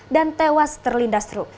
dan tewas terlindas truk